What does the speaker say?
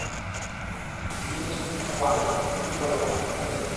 তুমি যদি শান্ত থাকো আমি তোমার ক্ষতি করবো না, বুঝা গেছে?